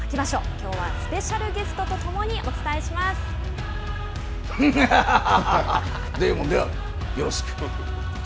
きょうはスペシャルゲストとともにお伝えします。